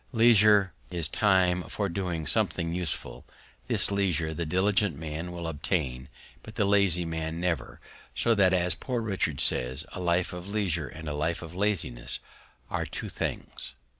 Leisure, is Time for doing something useful; this Leisure the diligent Man will obtain, but the lazy Man never; so that, as Poor Richard says, A Life of Leisure and a Life of Laziness are two things.